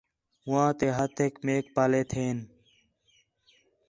ہوآں تے ہتھینک میک پاہلے تھہین